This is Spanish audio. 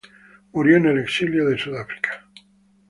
Murió en el exilio en Sudáfrica.